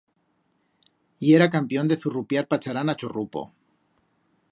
Yera campión de zurrupiar pacharán a chorrupo.